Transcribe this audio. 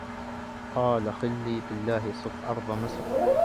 قال خلي بالله صف أرض مصر